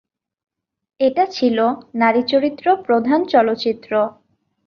এটা ছিল নারী চরিত্র প্রধান চলচ্চিত্র।